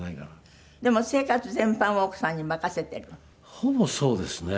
ほぼそうですね。